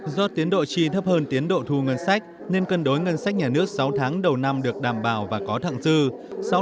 do tiến độ chi thấp hơn tiến độ thu ngân sách nên cân đối ngân sách nhà nước sáu tháng đầu năm được đảm bảo và có thẳng dư